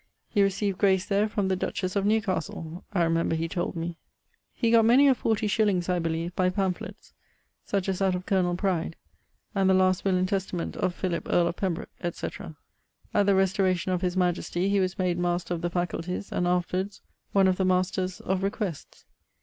He received grace there from the dutches of Newcastle, I remember he tolde me. He gott many a fourty shillings (I beleeve) by pamphletts, such as that of 'Col. Pride,' and 'The Last Will and Testament of Philip earle of Pembroke,' &c. At the restauration of his majestie he was made Master of the Facultees, and afterwards one of the Masters of Requests.